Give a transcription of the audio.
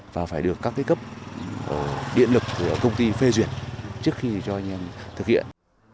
các thế cấp điện lực của công ty phê duyệt trước khi cho nhân thực hiện